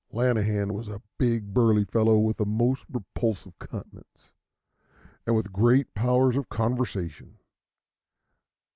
Lanahan was a big burly fellow with a most repulsive countenance and with great powers of conversation.